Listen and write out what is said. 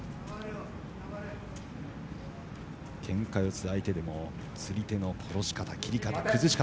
けんか四つ相手でも釣り手の殺し方切り方、崩し方。